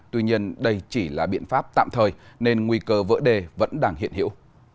tuy nhiên đây chỉ là biện pháp tạm thời nên nguy cơ vỡ đê vẫn đang hiện hiệu